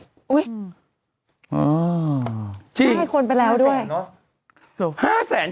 อุ๊ยอ้าวไม่ให้คนไปแล้วด้วยจริง